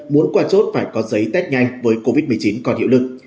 muốn qua chốt phải có giấy test nhanh với covid một mươi chín còn hiệu lực